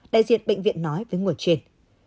đại diện bệnh viện nói với nguồn truyền